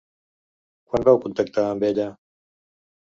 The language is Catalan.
Quan vau contactar amb ella?